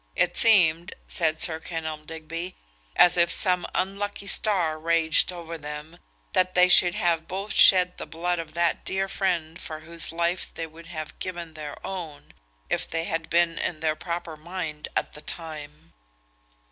"It seemed," said Sir Kenelm Digby, "as if some unlucky star raged over them, that they should have both shed the blood of that dear friend for whose life they would have given their own, if they had been in their proper mind at the time."